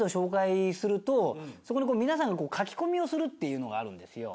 そこに皆さんが書き込みをするっていうのがあるんですよ。